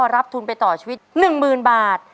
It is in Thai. รับทุนไปต่อชีวิต๑๐๐๐บาท